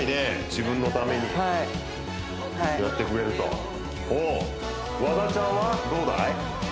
自分のためにやってくれるとはいどうだい？